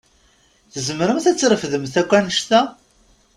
Tzemremt ad trefdemt akk annect-a?